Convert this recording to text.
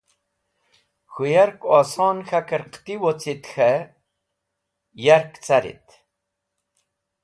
K̃hũ yark oson k̃hakẽr qẽti wocit k̃hẽ yark carit